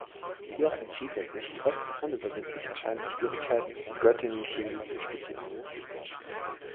Hier entschied er sich, trotz unüberwindlich erscheinender Schwierigkeiten, in Göttingen Chemie zu studieren.